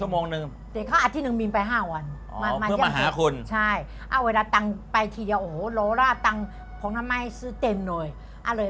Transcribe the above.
ฮ่องโกงกับไต้วันมันก็ไม่ไกลกันไหมอ่ะ